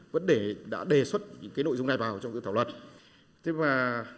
vẫn đã đề xuất những nội dung này vào trong cơ quan soạn thảo luật